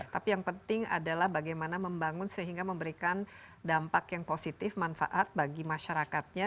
tapi yang penting adalah bagaimana membangun sehingga memberikan dampak yang positif manfaat bagi masyarakatnya